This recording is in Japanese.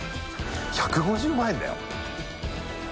１５０万円だよ。